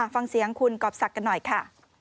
ฟังเสียงคุณกรอบศักดิ์กันหน่อยค่ะ